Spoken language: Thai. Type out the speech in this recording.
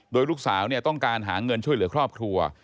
โดยลูกสาวต้องการหาเงินช่วยเหลือครอบครัว